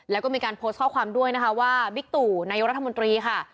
แล้วก็มีการโพสต์ข้อความด้วยนะคะว่าบิ๊กตู่นายกรัฐมนตรีค่ะ